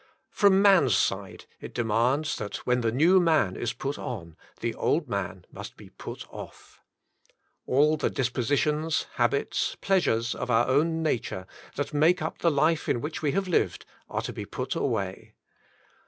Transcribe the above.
From man's side it demands that when the new man is put on, the old man he put off. All the dis positions, habits, pleasures, of our own nature, that make up the life in which we have lived, are to be put away.